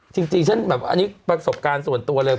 จริงฉันแบบอันนี้ประสบการณ์ส่วนตัวเลย